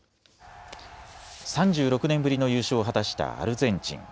３６年ぶりの優勝を果たしたアルゼンチン。